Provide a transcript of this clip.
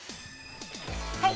はい。